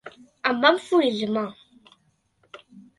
Em va enfurismar.